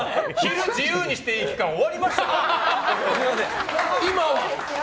自由にしていい期間終わりましたから！